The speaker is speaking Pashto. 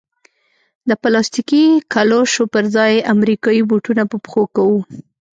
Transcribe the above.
د پلاستیکي کلوشو پر ځای امریکایي بوټونه په پښو کوو.